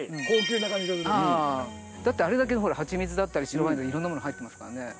だってあれだけのほらはちみつだったり白ワインのいろんなもの入ってますからね。